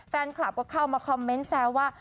แฟนคลับก็เข้ามาคอมเมนต์แซวว่า